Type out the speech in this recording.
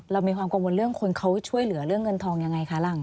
เรามีความกังวลเรื่องคนเขาช่วยเหลือเรื่องเงินทองยังไงคะหลัง